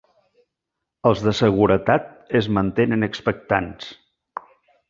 Els de seguretat es mantenen expectants.